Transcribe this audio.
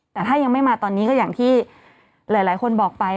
แต่ถ้ายังไม่มาตอนนี้ก็อย่างที่หลายคนบอกไป